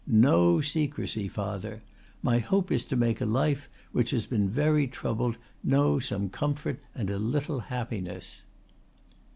No secrecy, father! My hope is to make a life which has been very troubled know some comfort and a little happiness."